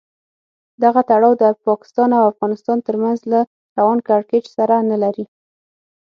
دغه تړاو د پاکستان او افغانستان تر منځ له روان کړکېچ سره نه لري.